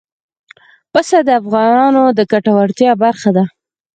پسه د افغانانو د ګټورتیا برخه ده.